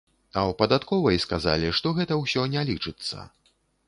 А ў падатковай сказалі, што гэта ўсё не лічыцца.